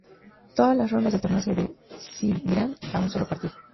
Todas las rondas del torneo se decidirán a un solo partido.